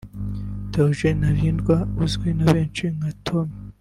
Diogene Ntarindwa uzwi na benshi nka Atome